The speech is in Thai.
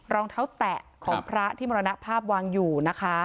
รองเท้าแตะของพระที่มรณภาพวางอยู่นะคะ